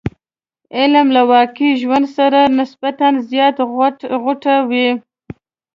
علم له واقعي ژوند سره نسبتا زیات غوټه وي.